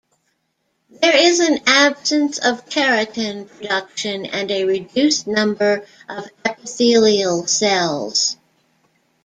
There is an absence of keratin production and a reduced number of epithelial cells.